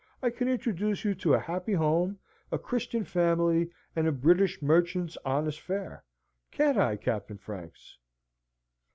I can introduce you to a happy home, a Christian family, and a British merchant's honest fare. Can't I, Captain Franks?"